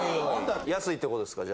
安いってことですか？